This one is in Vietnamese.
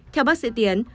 theo bác sĩ tiến